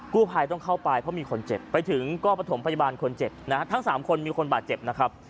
กู้ภัยต้องเข้าไปเพราะมีคนเจ็บไปถึงก็ประถมพยาบาลคนเจ็บนะฮะทั้งสามคนมีคนบาดเจ็บนะครับ